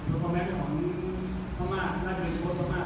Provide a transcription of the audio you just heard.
คุณคิดว่าเกินเท่าไหร่หรือไม่เกินเท่าไหร่